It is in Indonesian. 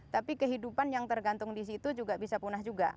tapi kehidupan yang tergantung di situ juga bisa punah juga